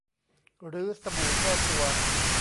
หรือสบู่แช่ตัว